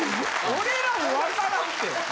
俺らも分からんって。